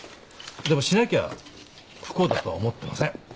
でもしなきゃ不幸だとは思ってません。